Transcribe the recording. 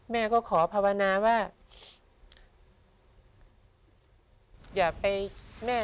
แม่ก็ขอพาวนาว่า